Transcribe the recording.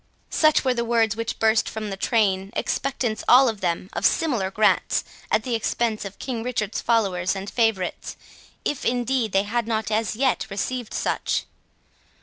Such were the words which burst from the train, expectants all of them of similar grants at the expense of King Richard's followers and favourites, if indeed they had not as yet received such.